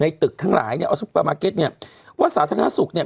ตึกทั้งหลายเนี่ยเอาซุปเปอร์มาร์เก็ตเนี่ยว่าสาธารณสุขเนี่ย